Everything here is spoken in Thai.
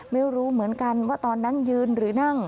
ไม่รู้เหมือนกันว่าตอนนั้นยืนหรือนั่ง